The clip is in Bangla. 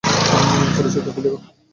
উপরের চিত্রটি দেখুন।